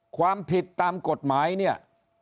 ความผิดตามกฎหมายเนี่ย